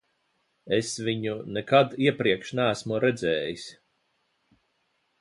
Es viņu nekad iepriekš neesmu redzējis.